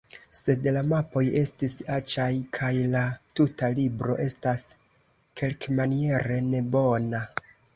Sed la mapoj estis aĉaj kaj la tuta libro estas kelkmaniere nebona.